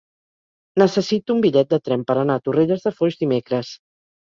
Necessito un bitllet de tren per anar a Torrelles de Foix dimecres.